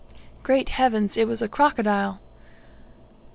Great heavens, it was a crocodile!